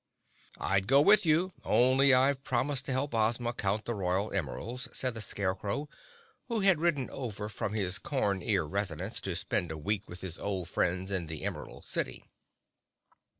"I'd go with you, only I've promised to help Ozma count the royal emeralds," said the Scarecrow, who had ridden over from his Corn Ear residence to spend a week with his old friends in the Emerald City.